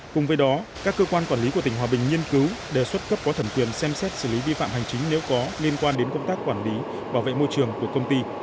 cùng với đó các cơ quan quản lý của tỉnh hòa bình nghiên cứu đề xuất cấp có thẩm quyền xem xét xử lý vi phạm hành chính nếu có liên quan đến công tác quản lý bảo vệ môi trường của công ty